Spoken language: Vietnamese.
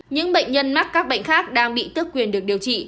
những bệnh nhân mắc các bệnh khác đang bị tước quyền được điều trị